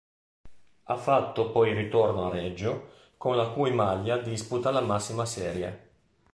Ha fatto poi ritorno a Reggio, con la cui maglia disputa la massima serie.